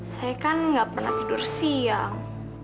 saya kan nggak pernah tidur siang